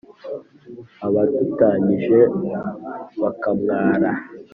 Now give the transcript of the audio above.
abadutanyije bakamwara